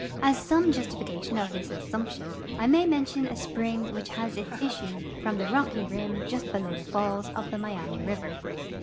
As some justification of this assumption, I may mention a spring which has its issue from the rocky rim just l)elow the falls of the Miami river.